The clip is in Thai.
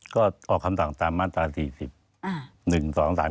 ก็ออกคำสั่งตามมาตรศาสตร์๔๐